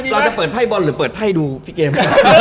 เราจะเปิดไพ่บอลหรือเปิดไพ่ดูพี่เกม